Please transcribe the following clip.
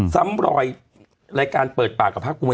ซ้ำรอยรายการเปิดปากกับภาคภูมิ